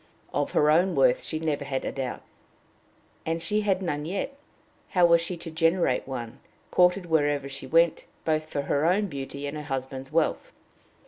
Of her own worth she had never had a doubt, and she had none yet: how was she to generate one, courted wherever she went, both for her own beauty and her husband's wealth?